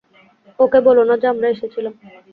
ওকে বোলো না যে, আমি এসেছিলাম।